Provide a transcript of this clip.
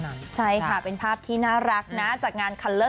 ห่วงนะห่วงห่วงห่วง